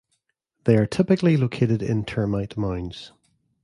They are typically located in termite mounds.